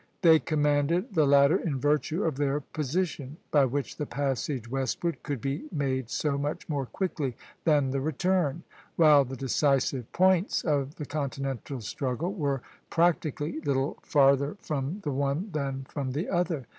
They commanded the latter in virtue of their position, by which the passage westward could be made so much more quickly than the return; while the decisive points of the continental struggle were practically little farther from the one than from the other.